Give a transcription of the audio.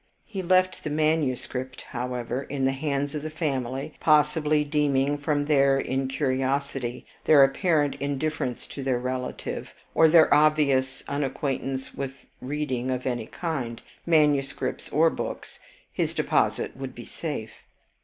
He left the manuscript, however, in the hands of the family, possibly deeming, from their incuriosity, their apparent indifference to their relative, or their obvious unacquaintance with reading of any kind, manuscript or books, his deposit would be safe.